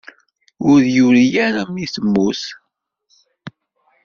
Ur iru ara mi temmut.